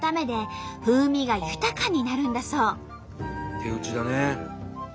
手打ちだね。